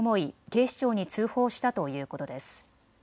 警視庁に通報したということです。